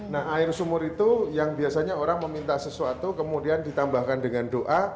nah air sumur itu yang biasanya orang meminta sesuatu kemudian ditambahkan dengan doa